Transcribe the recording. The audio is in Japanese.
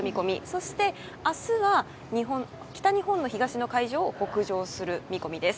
そして明日は北日本の東の海上を北上する見込みです。